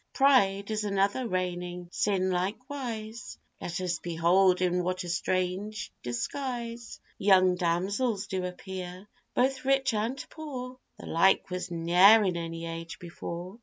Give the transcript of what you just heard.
Pride is another reigning sin likewise; Let us behold in what a strange disguise Young damsels do appear, both rich and poor; The like was ne'er in any age before.